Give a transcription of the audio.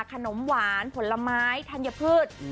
ขนมหวานผลไม้ธัญพืช